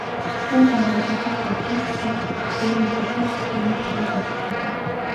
Түүнд агуулагдах бодисын дотроос кофеин мэдрэлийн системийг сэргээх үйлчилгээтэй.